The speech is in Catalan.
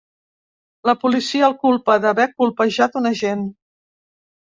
La policia el culpa d’haver colpejat un agent.